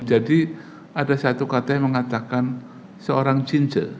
jadi ada satu kata yang mengatakan seorang jinjah